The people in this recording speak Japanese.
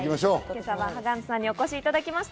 今朝はハガンツさんにお越しいただきました。